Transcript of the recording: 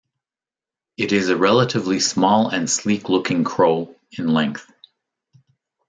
It is a relatively small and sleek looking crow, in length.